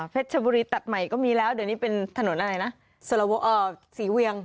เพชรชะบุรีตัดใหม่ก็มีแล้วเดี๋ยวนี้เป็นถนนอะไรนะ